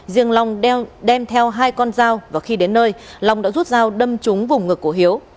riêng long đeo đem theo hai con dao và khi đến nơi long đã rút dao đâm chúng vùng ngực của hiếu